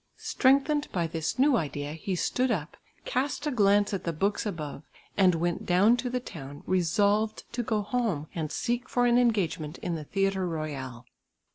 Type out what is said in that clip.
Strengthened by this new idea, he stood up, east a glance at the books above, and went down to the town resolved to go home and seek for an engagement in the Theatre Royal.